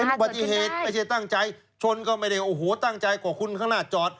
อุบัติเหตุไม่ใช่ตั้งใจชนก็ไม่ได้โอ้โหตั้งใจกว่าคุณข้างหน้าจอด